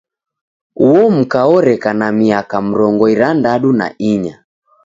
Uo mka oreka na miaka mrongo irandadu na inya.